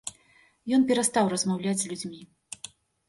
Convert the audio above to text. Ён перастаў размаўляць з людзьмі.